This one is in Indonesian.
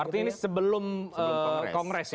artinya ini sebelum kongres ya